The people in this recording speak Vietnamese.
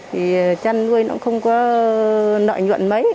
thì chăn nuôi nó cũng không có nợ nhuận mấy